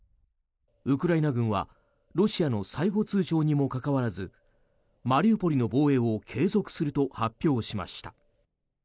ウクライナ軍はロシアの最後通ちょうにもかかわらずマリウポリの防衛を継続すると発表しました。